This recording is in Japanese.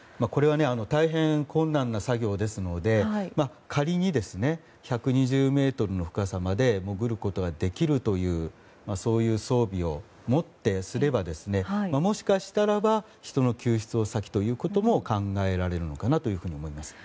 大変困難な作業ですので仮に１２０ｍの深さまで潜ることができるというそういう装備を持ってすればもしかしたら人の救出が先ということも考えらえれるのかなと思います。